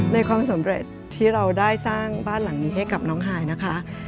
ในความสำเร็จที่เราได้สร้างบ้านหลังนี้ให้กับน้องหายนะคะ